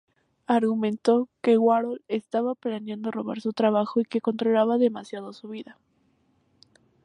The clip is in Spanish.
Argumentó que Warhol estaba planeando robar su trabajo y que controlaba demasiado su vida.